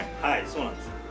はいそうなんです。